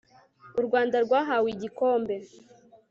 u rwanda rwahawe igikombe